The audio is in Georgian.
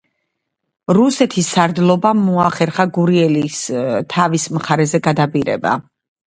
რუსეთის სარდლობამ მოახერხა გურიელის თავის მხარეზე გადაბირება.